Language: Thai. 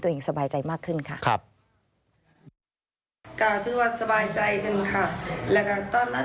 ตัวเองสบายใจมากขึ้นค่ะ